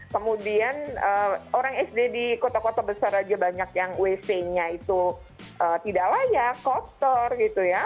kemudian orang sd di kota kota besar aja banyak yang wc nya itu tidak layak kotor gitu ya